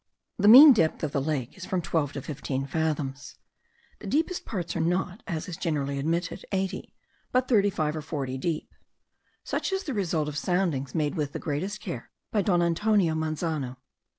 The mean depth of the lake is from twelve to fifteen fathoms; the deepest parts are not, as is generally admitted, eighty, but thirty five or forty deep. Such is the result of soundings made with the greatest care by Don Antonio Manzano.